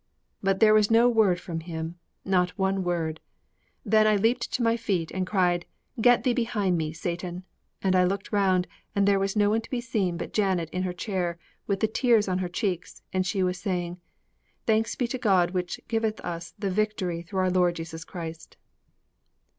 But there was no word from him, not one word. Then I leaped to my feet and cried, "Get thee behind me, Satan!" And I looked round, and there was no one to be seen but Janet in her chair with the tears on her cheeks, and she was saying, "Thanks be to God which giveth us the victory through our Lord Jesus Christ!"'